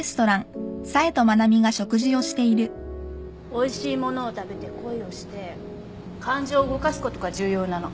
おいしい物を食べて恋をして感情を動かすことが重要なの。